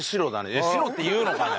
いや白っていうのかね？